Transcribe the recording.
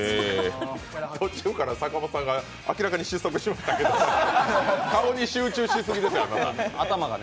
途中から阪本さんが明らかに失速しましたけど顔に集中しすぎですよ。